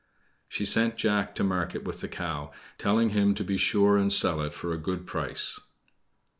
She sent Jack to market with the cow, telling him to be sure and sell it for a good price.